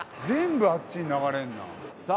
全部あっちに流れんな。